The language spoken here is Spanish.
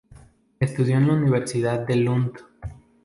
Estudió en la Universidad de Lund.